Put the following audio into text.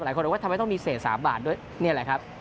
หลายคนบอกว่าทำไมต้องมีเศษ๓บาทด้วยนี่แหละครับ